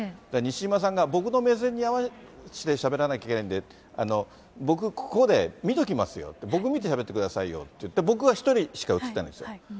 西島さんが僕の目線に合わせてしゃべらなきゃいけないんで、僕、ここで見ときますよって、僕見てしゃべってくださいよって言って、僕は１人しか映ってないんですよ。